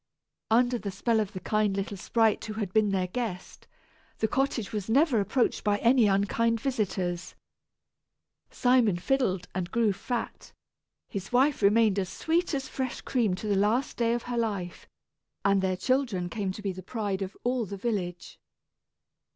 Under the spell of the kind little sprite who had been their guest, the cottage was never approached by any unkind visitors. Simon fiddled and grew fat, his wife remained as sweet as fresh cream to the last day of her life, and their children came to be the pride of all the village.